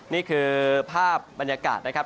นี่คือภาพบรรยากาศนะครับ